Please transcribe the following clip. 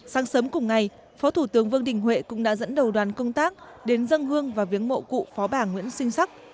sáng sớm cùng ngày phó thủ tướng vương đình huệ cũng đã dẫn đầu đoàn công tác đến dân hương và viếng mộ cụ phó bà nguyễn sinh sắc